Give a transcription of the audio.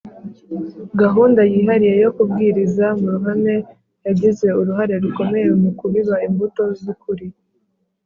Gahunda yihariye yo kubwiriza mu ruhame yagize uruhare rukomeye mu kubiba imbuto z ukuri